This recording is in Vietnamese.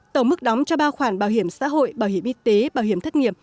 tổng mức đóng cho ba khoản bảo hiểm xã hội bảo hiểm y tế bảo hiểm thất nghiệp